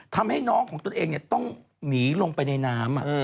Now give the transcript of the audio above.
ทำให้น้องของตนเองต้องหนีลงไปในน้ำ